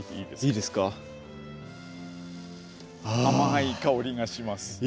甘い香りがします。